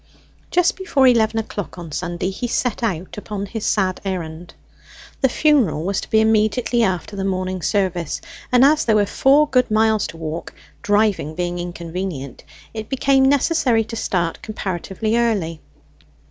Just before eleven o'clock on Sunday he set out upon his sad errand. The funeral was to be immediately after the morning service, and as there were four good miles to walk, driving being inconvenient, it became necessary to start comparatively early.